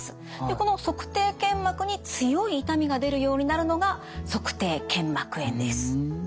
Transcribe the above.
この足底腱膜に強い痛みが出るようになるのが足底腱膜炎です。